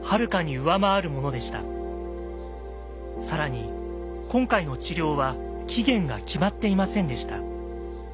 更に今回の治療は期限が決まっていませんでした。